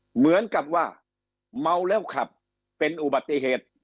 เหมือนกับว่าเมาแล้วขับเป็นอุบัติเหตุ